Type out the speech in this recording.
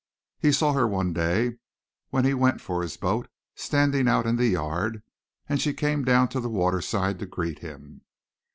He saw her one day, when he went for his boat, standing out in the yard, and she came down to the waterside to greet him.